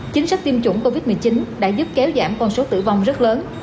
chính sách tiêm chủng covid một mươi chín đã giúp kéo giảm con số tử vong rất lớn